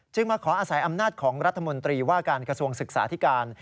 มาขออาศัยอำนาจของรัฐมนตรีว่าการกระทรวงศึกษาธิการ